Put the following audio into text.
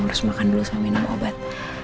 harus makan dulu sama minum obat